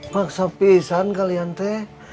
maksa pisah kalian teh